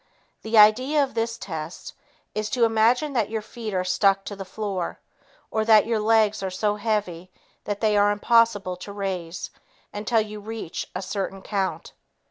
The idea of this test is to imagine that your feet are stuck to the floor or that your legs are so heavy that they are impossible to raise until you reach a certain count.